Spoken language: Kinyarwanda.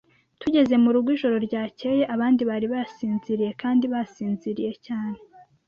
Tugeze murugo ijoro ryakeye, abandi bari basinziriye kandi basinziriye cyane.